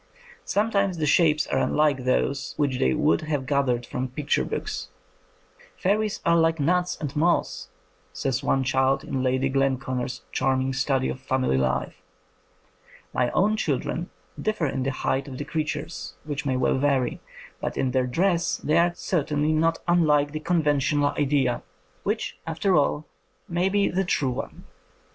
Sometimes the shapes are unlike those which they would have gathered from picture books. "Fairies are like nuts and moss," says one child in Lady Glenconner's charming study of family life. My own children differ in the height of the creatures, which may well vary, but in their dress they are certainly not unlike the conventional idea, which, after all, may also be the true one.